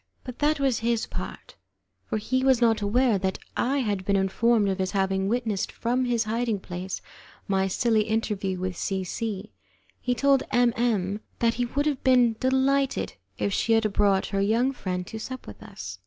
But that was his part, for he was not aware that I had been informed of his having witnessed from his hiding place my silly interview with C C . He told M M that he would have been delighted if she had brought her young friend to sup with us.